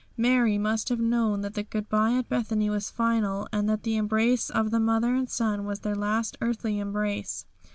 Mary must have known that the goodbye at Bethany was final, and that the embrace of that Mother and Son was their last earthly embrace.